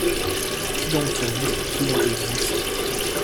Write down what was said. Qui donc survit ? qui donc existe ?